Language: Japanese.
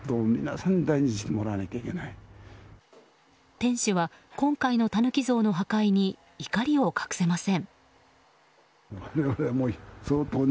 店主は今回のタヌキ像の破壊に怒りを隠せません。